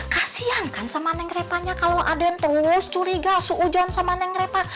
kasian kan sama neng repahnya kalau aden terus curiga seujuan sama neng repah